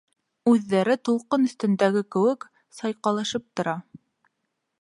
Үҙҙәре, тулҡын өҫтөндәге кеүек, сайҡалышып тора.